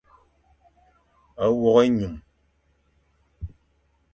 Wôkh ényum.